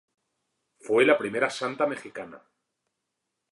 Fue la primera santa mexicana.